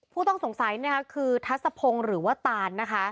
ผู้ต้องสงสัยคือทัศพงศ์หรือว่าตานนะคะ